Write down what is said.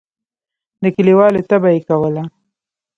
د کلیوالو طبعه یې کوله.